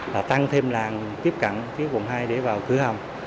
và tăng thêm làng tiếp cận phía quận hai để vào cửa hồng